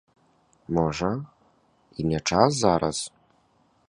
Можа, і не час зараз.